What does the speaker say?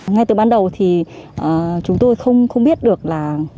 ngay từ ban đầu thì chúng tôi không biết được là